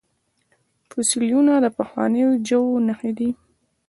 فوسیلیونه د پخوانیو ژویو نښې دي